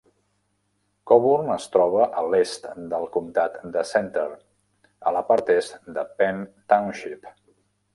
Coburn es troba a l'est del comptat de Centre, a la part est de Penn Township.